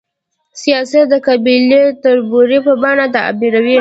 سیاست د قبایلي تربورولۍ په بڼه تعبیروو.